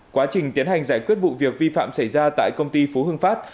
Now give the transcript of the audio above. quá trình tiến hành giải quyết vụ việc vi phạm xảy ra tại công ty phú hưng phát